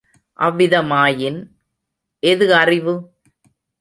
அவ்விதமாயின், எது அறிவு?